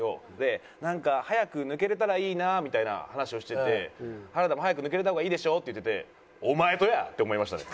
なんか「早く抜けれたらいいな」みたいな話をしてて「原田も早く抜けれた方がいいでしょ？」って言うてて「お前とや！」って思いましたね。